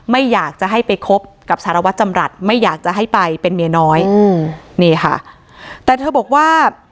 ไม่อยากจะให้ไปคบกับสารวัตรจำรัฐไม่อยากจะให้ไปเป็นเมียน้อยอืมนี่ค่ะแต่เธอบอกว่า